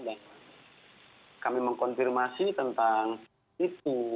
dan kami mengkonfirmasi tentang itu